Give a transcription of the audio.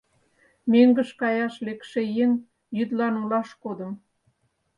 Мӧҥгыш каяш лекше еҥ йӱдлан олаш кодым.